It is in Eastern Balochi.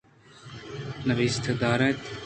نبیسّگ رَد اِنت۔